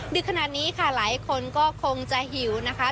ดึกขนาดนี้ค่ะหลายคนก็คงจะหิวนะคะ